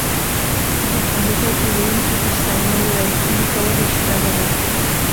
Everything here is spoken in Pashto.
د کمپیوټر جوړونکي په ستاینه وویل موږ کولی شو دا بدل کړو